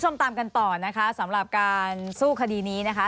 ตามกันต่อนะคะสำหรับการสู้คดีนี้นะคะ